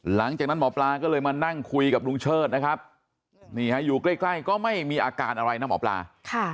หลังจากนั้นหมอปลาก็เลยมานั่งคุยกับลุงเชิดนะครับนี่ฮะอยู่ใกล้ก็ไม่มีอาการอะไรนะหมอปลา